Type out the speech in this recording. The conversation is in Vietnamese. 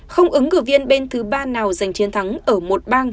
không ứng cử viên bên thứ ba nào giành chiến thắng ở một bang